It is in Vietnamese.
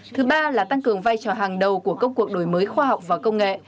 thứ ba là tăng cường vai trò hàng đầu của công cuộc đổi mới khoa học và công nghệ